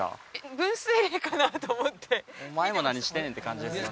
分水嶺かなと思ってお前も何してんねんって感じですよね